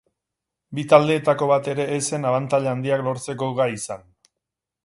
Bi taldeetako bat ere ez zen abantaila handiak lortzeko gai izan.